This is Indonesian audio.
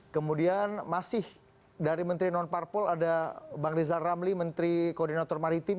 kemudian masih dari menteri non parpol ada bang rizal ramli menteri koordinator maritim